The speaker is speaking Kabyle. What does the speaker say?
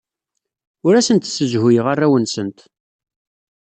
Ur asent-ssezhuyeɣ arraw-nsent.